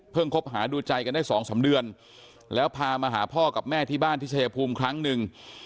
เพิ่งคบหาดูใจกันได้๒๓เดือนแล้วพามาหาพ่อกับแม่ที่บ้านที่เฉพาะภูมิครั้งนึง